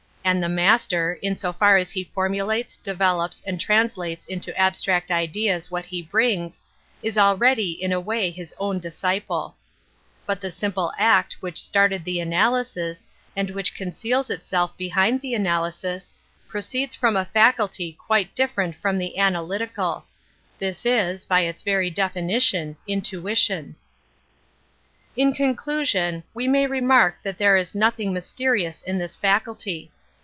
And the master, in so far as he formu lates, develops, and translates into abstract ideas what he brings, is already in a way his own disciple. JBut the simple act which N started the analysis^ anid^^which gpficeals^^ itself behind the analxsiSj, .proceeds from aj X. faculty quite differen t from the analytical. / TfiiOs, By If 8 vei^r deflnitign^intiiS^ [ In conclusion, we may remark that there is nothing mysterious in this faculty.